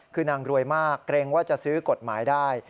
คือนางรวยมากเกรงว่าจะซื้อกฎหมายได้